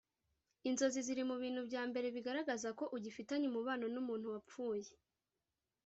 Inzozi ziri mu bintu bya mbere bigaragaza ko ugifitanye umubano n’umuntu wapfuye